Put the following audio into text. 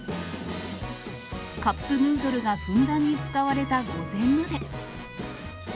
カップヌードルがふんだんに使われた御膳まで。